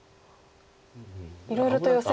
いろいろとヨセが。